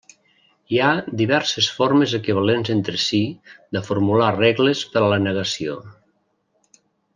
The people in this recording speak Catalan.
Hi ha diverses formes equivalents entre si, de formular regles per a la negació.